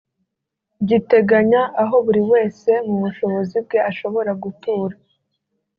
giteganya aho buri wese mu bushobozi bwe ashobora gutura